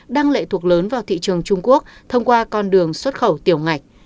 đang lệ thuộc lớn vào thị trường trung quốc thông qua con đường xuất khẩu tiểu ngạch